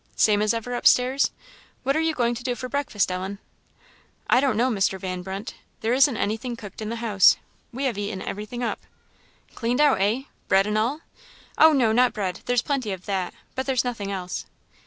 "Same as ever upstairs? What are you going to do for breakfast, Ellen?" "I don't know, Mr. Van Brunt; there isn't anything cooked in the house; we have eaten everything up." "Cleaned out, eh? Bread and all?" "Oh, no, not bread; there's plenty of that, but there's nothing else."